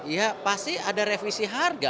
ya pasti ada revisi harga